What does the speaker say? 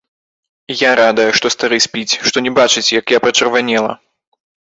І я радая, што стары спіць, што не бачыць, як я пачырванела.